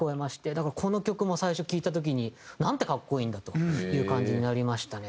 だからこの曲も最初聴いた時になんて格好いいんだという感じになりましたね。